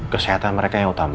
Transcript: kesehatan mereka yang utama